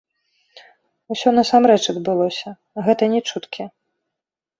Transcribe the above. Усё насамрэч адбылося, гэта не чуткі.